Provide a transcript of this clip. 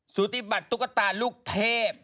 สุติบัติตุ๊กตาลูกเทพ